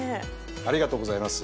ありがとうございます。